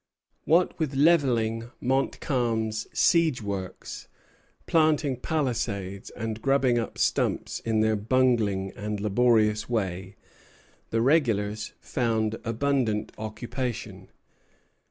What with levelling Montcalm's siege works, planting palisades, and grubbing up stumps in their bungling and laborious way, the regulars found abundant occupation.